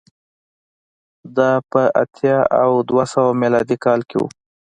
دا په اتیا او دوه سوه میلادي کال کې و